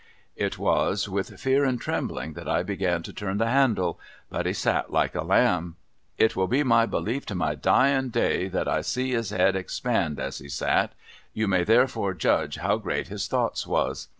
It was with fear and trembling that I began to turn the handle ; but he sat like a lamb. It will be my belief to my dying day, that I see his Ed expand as he sat ; you may therefore judge how great his thoughts was.